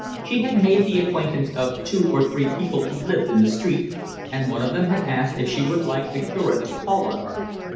She had made the acquaintance of two or three people who lived in the street, and one of them had asked if she would like the curate to call on her.